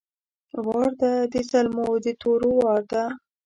وار ده د زلمو د تورو وار ده!